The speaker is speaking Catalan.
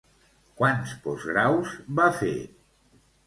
Quants postgraus va fer?